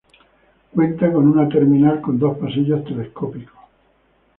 Cuenta con una terminal con dos pasillos telescópicos.